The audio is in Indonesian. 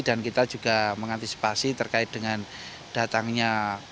dan kita juga mengantisipasi terkait dengan datangnya